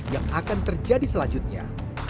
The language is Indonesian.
yang akan terjadi selanjutnya